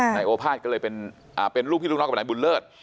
นายโอภาษย์ก็เลยเป็นลูกพี่ลูกน้องกับนายบุญเลิศ